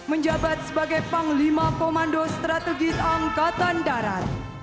menyusul brigade upacara gabungan adalah brigade satu upacara tni angkatan darat